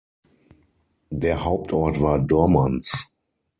Der Hauptort war Dormans.